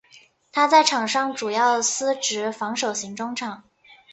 他在场上主要司职防守型中场。